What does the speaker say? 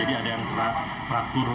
jadi ada yang teratur